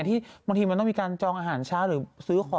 ที่บางทีมันต้องมีการจองอาหารเช้าหรือซื้อของ